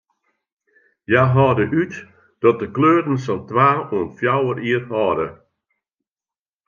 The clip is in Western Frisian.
Hja hâlde út dat de kleuren sa'n twa oant fjouwer jier hâlde.